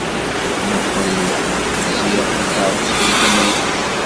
Mmuqqel ziɣ takeṛṛust-iw tamaynut.